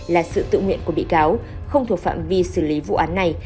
là sự tự nguyện của bị cáo không thuộc phạm vi xử lý vụ án này